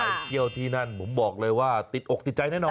ไปเที่ยวที่นั่นผมบอกเลยว่าติดอกติดใจแน่นอน